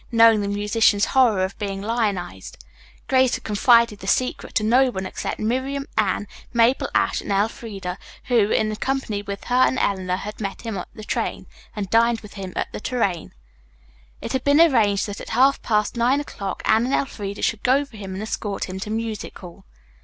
Knowing the musician's horror of being lionized, Grace had confided the secret to no one except Miriam, Anne, Mabel Ashe and Elfreda, who, in company with her and Eleanor, had met him at the train and dined with him at the "Tourraine." It had been arranged that at half past nine o'clock Anne and Elfreda should go for him and escort him to Music Hall.